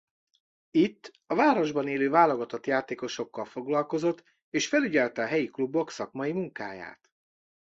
Itt a városban élő válogatott játékosokkal foglalkozott és felügyelte a helyi klubok szakmai munkáját.